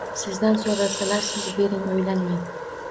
Sizdan so’rasalar, siz bering, o’ylanmang.!..